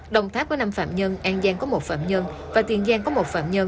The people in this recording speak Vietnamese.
đồng tháp có năm phạm nhân an giang có một phạm nhân và tiền giang có một phạm nhân